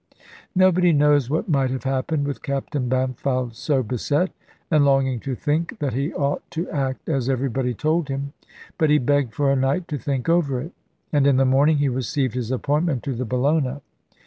Nobody knows what might have happened with Captain Bampfylde so beset, and longing to think that he ought to act as everybody told him: but he begged for a night to think over it; and in the morning he received his appointment to the Bellona.